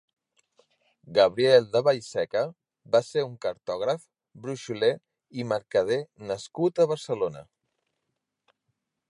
Gabriel de Vallseca va ser un cartògraf, bruixoler i mercader nascut a Barcelona.